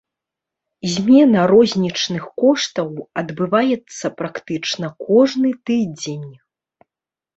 Змена рознічных коштаў адбываецца практычна кожны тыдзень.